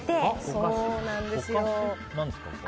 そうなんですよ。